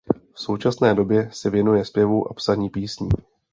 V současné době se věnuje zpěvu a psaní písní.